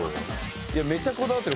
いやめっちゃこだわってる。